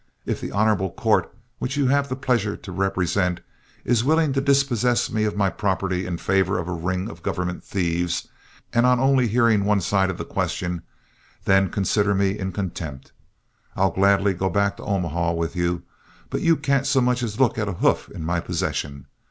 If the honorable court which you have the pleasure to represent is willing to dispossess me of my property in favor of a ring of government thieves, and on only hearing one side of the question, then consider me in contempt. I'll gladly go back to Omaha with you, but you can't so much as look at a hoof in my possession.